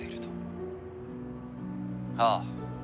ああ。